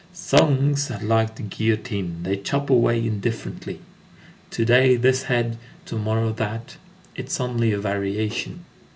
Songs are like the guillotine; they chop away indifferently, to day this head, to morrow that. It is only a variation.